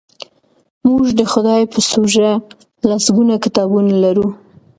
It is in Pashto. موږ د خدای په سوژه لسګونه کتابونه لرو.